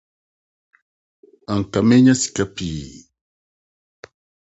anka menya sika pii